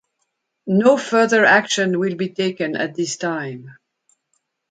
No further action will be taken at this time.